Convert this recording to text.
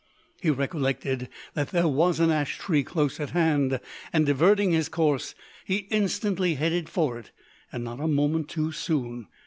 He recollected that there was an ash tree close at hand, and diverting his course, he instantly headed for it. Not a moment too soon.